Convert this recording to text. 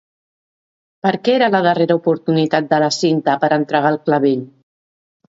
Per què era la darrera oportunitat de la Cinta per entregar el clavell?